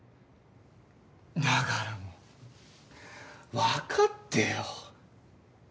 だからもうわかってよ。